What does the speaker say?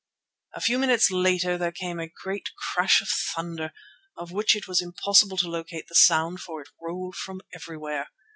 A few minutes later there came a great crash of thunder, of which it was impossible to locate the sound, for it rolled from everywhere.